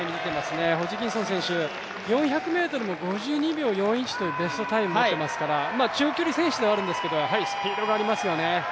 ホジキンソン選手、４００ｍも５２秒４１というベストタイム持ってますから中距離選手ではりますけどやはりスピードがありますよね。